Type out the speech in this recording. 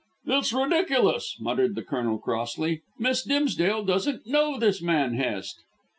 "It's ridiculous," muttered the Colonel crossly. "Miss Dimsdale doesn't know this man Hest."